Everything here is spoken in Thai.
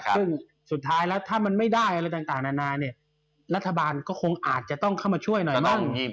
ซึ่งสุดท้ายแล้วถ้ามันไม่ได้อะไรต่างนานาเนี่ยรัฐบาลก็คงอาจจะต้องเข้ามาช่วยหน่อยมั่ง